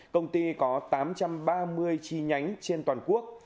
công ty có tám trăm ba mươi chi nhánh trên toàn quốc